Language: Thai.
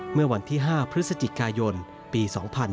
เมื่อวันที่๕พฤศจิกายนปี๒๕๕๙